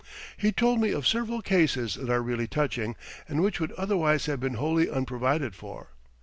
He told me of several cases that are really touching, and which would otherwise have been wholly unprovided for.